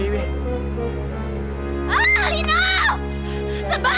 lino sebal sebal sebal